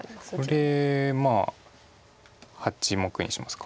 これ８目にしますか。